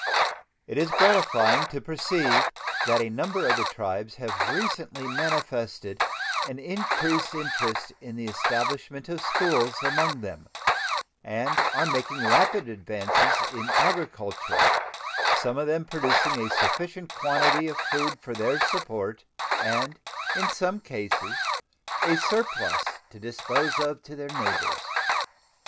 It is gratifying to perceive that a number of the tribes have recently manifested an increased interest in the establishment of schools among them, and are making rapid advances in agriculture, some of them producing a sufficient quantity of food for their support and in some cases a surplus to dispose of to their neighbors.